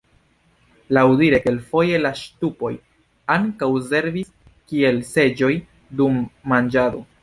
Laŭdire kelkfoje la ŝtupoj ankaŭ servis kiel seĝoj dum manĝado.